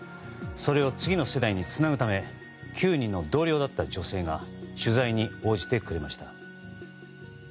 それを次の世代につなぐため９人の同僚だった女性が取材に応じてくれました。